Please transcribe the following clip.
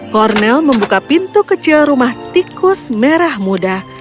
kornel membuka pintu kecil rumah tikus merah muda